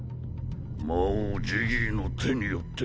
魔王ジギーの手によって。